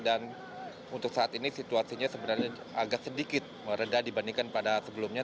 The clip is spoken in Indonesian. dan untuk saat ini situasinya sebenarnya agak sedikit meredah dibandingkan pada sebelumnya